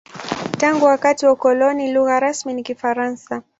Tangu wakati wa ukoloni, lugha rasmi ni Kifaransa.